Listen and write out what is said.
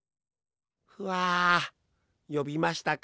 ふあよびましたか？